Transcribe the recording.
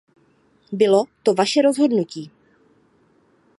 Bylo to vaše rozhodnutí!